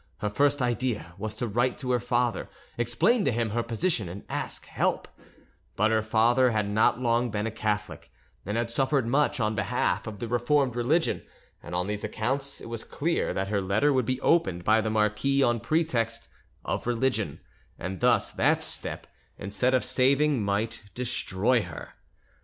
Her first idea was to write to her father, explain to him her position and ask help; but her father had not long been a Catholic, and had suffered much on behalf of the Reformed religion, and on these accounts it was clear that her letter would be opened by the marquis on pretext of religion, and thus that step, instead of saving, might destroy her.